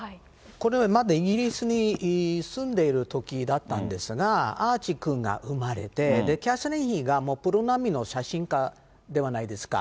これまでイギリスに住んでいるときだったんですが、アーチーくんが産まれて、キャサリン妃がもうプロ並みの写真家ではないですか。